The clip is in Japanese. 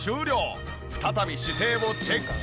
再び姿勢をチェック。